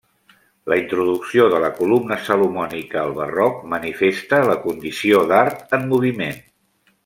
La introducció de la columna salomònica al barroc manifesta la condició d'art en moviment.